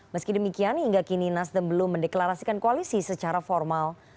meski demikian hingga kini nasdem belum mendeklarasikan koalisi secara formal